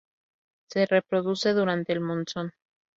Se reproduce durante el monzón.